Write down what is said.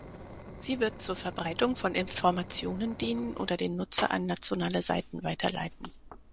Sie wird zur Verbreitung von Informationen dienen oder den Nutzer an nationale Seiten weiterleiten.